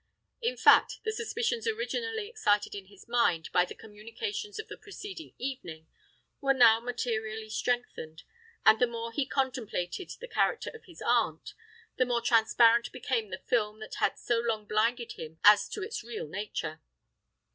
In fact, the suspicions originally excited in his mind by the communications of the preceding evening, were now materially strengthened; and the more he contemplated the character of his aunt, the more transparent became the film that had so long blinded him as to its real nature.